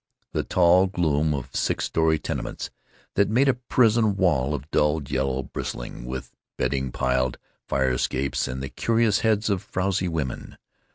The tall gloom of six story tenements that made a prison wall of dulled yellow, bristling with bedding piled fire escapes and the curious heads of frowzy women.